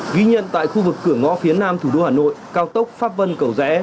ghi nhận tại khu vực cửa ngõ phía nam thủ đô hà nội cao tốc pháp vân cầu rẽ